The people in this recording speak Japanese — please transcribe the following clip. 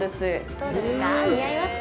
どうですか？